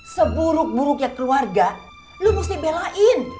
seburuk buruknya keluarga lo mesti belain